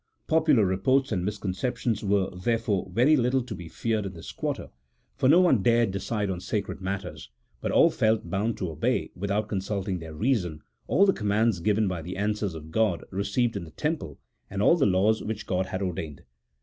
Popular reports and misconceptions were, therefore, very little to be 232 A THS0L0GIC0 P0LITICAL TREATISE. [CHAP. XVII. feared in this quarter, for no one dared decide on sacred matters, but all felt bound to obey, without consulting their reason, all the commands given by the answers of G od received in the Temple, and all the laws which God had ordained.